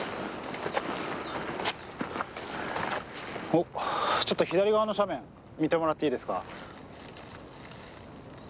おちょっと左側の斜面見てもらっていいですか。